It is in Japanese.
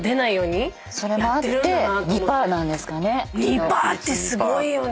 ２％ってすごいよね。